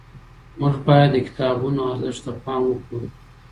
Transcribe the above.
موږ باید د کتابونو ارزښت ته پام وکړو.